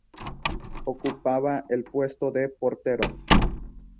Ocupaba el puesto de portero.